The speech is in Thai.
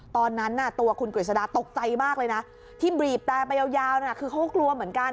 ตอนนั้นตัวคุณกฤษดาตกใจมากเลยนะที่บีบแต่ไปยาวคือเขาก็กลัวเหมือนกัน